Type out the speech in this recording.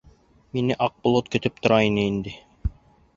Мине Аҡболот көтөп тора ине инде.